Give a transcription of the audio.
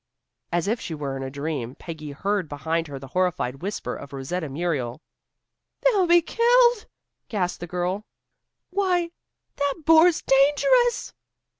As if she were in a dream, Peggy heard behind her the horrified whisper of Rosetta Muriel. "They'll be killed!" gasped the girl. "Why, that boar's dangerous!"